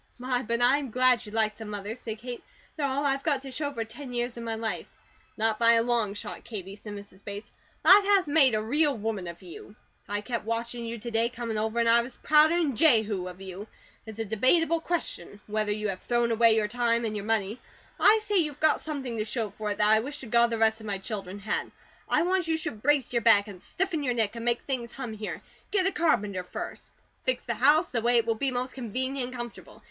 "My, but I'm glad you like them, Mother," said Kate. "They are all I've got to show for ten years of my life." "Not by a long shot, Katie," said Mrs. Bates. "Life has made a real woman of you. I kept watchin' you to day comin' over; an' I was prouder 'an Jehu of you. It's a debatable question whether you have thrown away your time and your money. I say you've got something to show for it that I wish to God the rest of my children had. I want you should brace your back, and stiffen your neck, and make things hum here. Get a carpenter first. Fix the house the way it will be most convenient and comfortable.